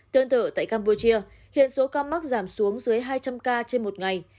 tương tự tại campuchia hiện số ca mắc giảm xuống dưới hai trăm linh ca trên một ngày